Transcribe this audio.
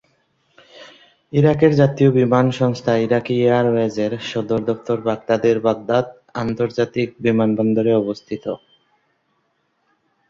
ইরাকের জাতীয় বিমান সংস্থা ইরাকি এয়ারওয়েজের সদর দফতর বাগদাদের বাগদাদ আন্তর্জাতিক বিমানবন্দরে অবস্থিত।